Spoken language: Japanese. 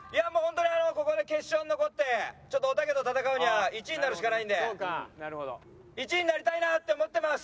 ここで決勝に残っておたけと戦うには１位になるしかないんで１位になりたいなって思ってます。